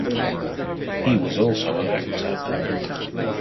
He was also an actor.